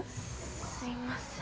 すいません